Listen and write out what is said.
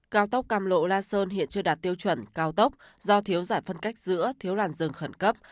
cao tốc cam lộ la sơn hiện chưa đạt tiêu chuẩn cao tốc do thiếu giải phân cách giữa thiếu làn rừng khẩn cấp